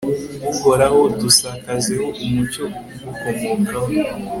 uhoraho, dusakazeho umucyo ugukomokaho